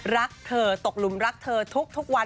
รักเธอตกหลุมรักเธอทุกวัน